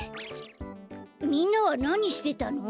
みんなはなにしてたの？